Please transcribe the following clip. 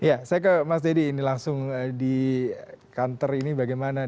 ya saya ke mas deddy ini langsung di kantor ini bagaimana